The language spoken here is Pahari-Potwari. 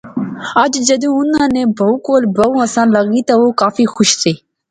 اج جدوں انیں ایہہ بہوں کول، بہوں آسان لغی تہ او کافی خوش سے